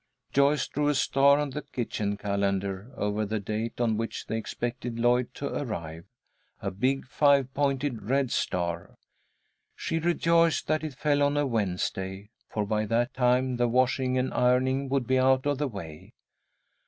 Joyce drew a star on the kitchen calendar, over the date on which they expected Lloyd to arrive; a big five pointed red star. She rejoiced that it fell on a Wednesday, for by that time the washing and ironing would be out of the way.